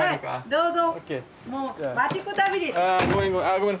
どうぞ。